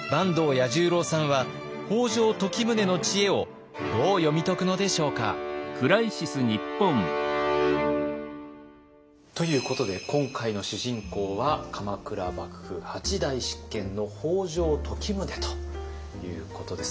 彌十郎さんは北条時宗の知恵をどう読み解くのでしょうか？ということで今回の主人公は鎌倉幕府８代執権の北条時宗ということです。